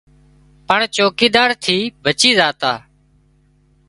پڻ چوڪيدار ٿي بچي زاتا